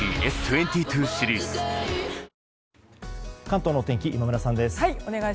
関東の天気今村さんです。